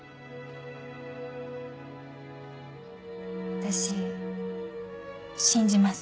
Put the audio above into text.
私信じます。